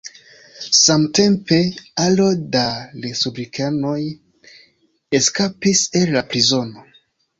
Samtempe aro da respublikanoj eskapis el la prizono.